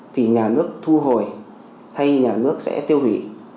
thì nhà nước thu hồi hay nhà nước sẽ tiêu hủy